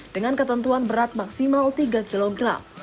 dengan ketentuan berat maksimal tiga kg